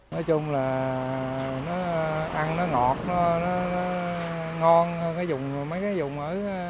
nói chung là ăn nó ngọt nó ngon hơn mấy cái vùng ở